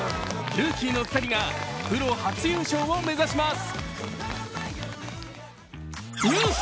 ルーキーの２人がプロ初優勝を目指します。